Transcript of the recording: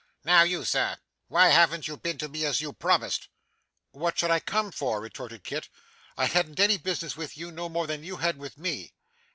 Now you sir, why haven't you been to me as you promised?' 'What should I come for?' retorted Kit. 'I hadn't any business with you, no more than you had with me.